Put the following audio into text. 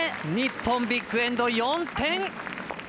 日本ビッグエンド、４点！